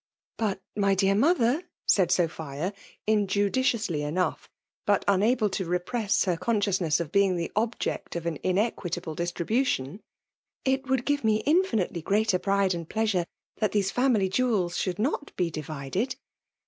:.*^ But my dear mother/' said Sophn, ibjimIk ciously enoagh/bat unable to repress her ^n^ soiousness of being the object of an ]neqi4tid>le dntribution^ ^* it would give me . infi|iit^f greater pride and pleasure that these %nily Joivels ^ottld not be divided.